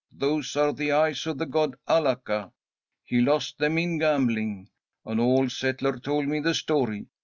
Those are the eyes of the god Alaka. He lost them in gambling. An old settler told me the story.